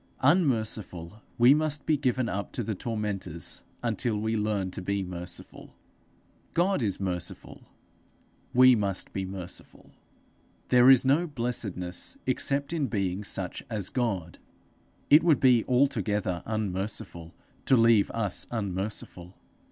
Unmerciful, we must be given up to the tormentors until we learn to be merciful. God is merciful: we must be merciful. There is no blessedness except in being such as God; it would be altogether unmerciful to leave us unmerciful.